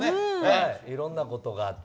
いろいろなことがあって。